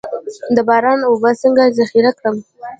د باران اوبه څنګه ذخیره کړم؟